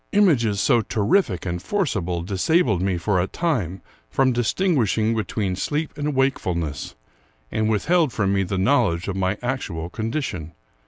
Images so terrific and forcible disabled me for a time from distinguishing between sleep and wake fulness, and withheld from me the knowledge of my actual condition.